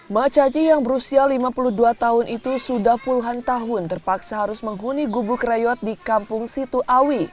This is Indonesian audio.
mak caci yang berusia lima puluh dua tahun itu sudah puluhan tahun terpaksa harus menghuni gubuk reyot di kampung situawi